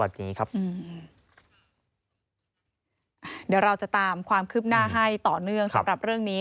เดี๋ยวเราจะตามความคืบหน้าให้ต่อเนื่องสำหรับเรื่องนี้